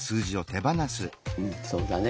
うんそうだね。